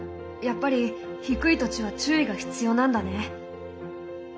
やっぱり低い土地は注意が必要なんだね。